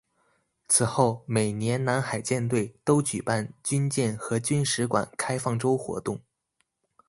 此后每年南海舰队都举办军舰和军史馆开放周活动。